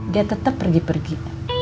dia tetap pergi pergi